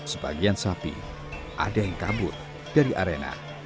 sebagian sapi ada yang kabur dari arena